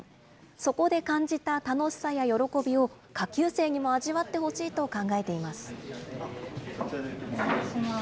そこで感じた楽しさや喜びを、下級生にも味わってほしいと考えています。